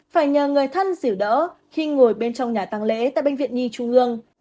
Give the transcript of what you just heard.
phải nhờ người thân dỉu đỡ khi ngồi bên trong nhà tăng lễ tại bệnh viện nhi trung ương